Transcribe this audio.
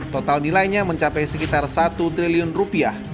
total nilainya mencapai sekitar satu triliun rupiah